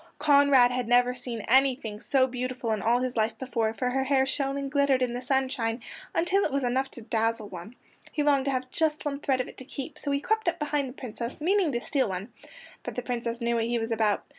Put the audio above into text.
Conrad had never seen anything so beautiful in all his life before, for her hair shone and glittered in the sunshine until it was enough to dazzle one. He longed to have just one thread of it to keep, so he crept up behind the Princess, meaning to steal one. But the Princess knew what he was about.